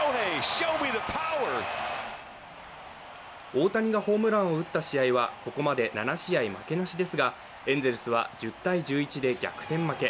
大谷がホームランを打った試合はここまで７試合負けなしですがエンゼルスは１０−１１で逆転負け。